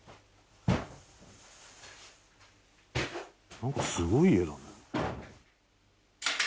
「なんかすごい家だね」